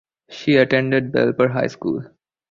She attended Belper High School.